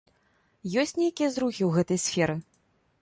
Ёсць нейкія зрухі ў гэтай сферы?